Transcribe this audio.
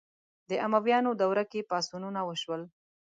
د امویانو دوره کې پاڅونونه وشول